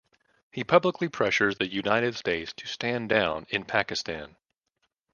He publicly pressures the United States to stand down in Pakistan.